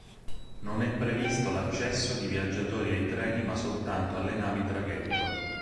Non è previsto l'accesso di viaggiatori ai treni ma soltanto alle navi traghetto.